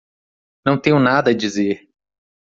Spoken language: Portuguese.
Não tenho nada a dizer.